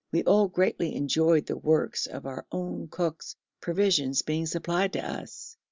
We all greatly enjoyed the works of our own cooks, provisions being supplied to us.